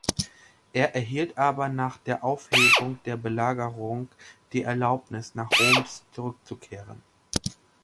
Er erhielt aber nach der Aufhebung der Belagerung die Erlaubnis nach Roms zurückzukehren.